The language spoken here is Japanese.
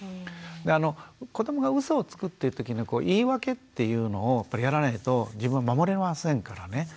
で子どもがうそをつくっていうときに言い訳っていうのをやらないと自分を守れませんからね。